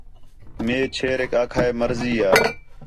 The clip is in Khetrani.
مئے چھیریک آکھا ہِے مرضی یا